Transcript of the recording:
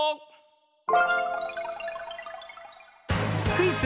クイズ